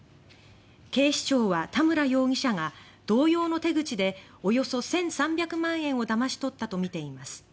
警視庁は田村容疑者が同様の手口でおよそ１３００万円をだまし取ったとみています。